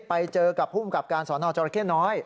ไปเจอกับผู้อำกับการสนจรเข้นน้อย